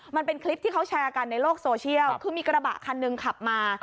มันเป็นคลิปที่เขาแชร์กันในโลกโซเชียลคือมีกระบะคันหนึ่งขับมา